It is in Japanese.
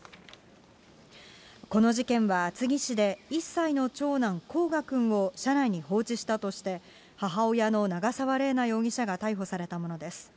この事件は厚木市で１歳の長男、煌翔くんを車内に放置したとして、母親の長沢麗奈容疑者が逮捕されたものです。